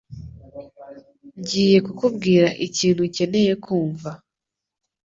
Ngiye kukubwira ikintu ukeneye kumva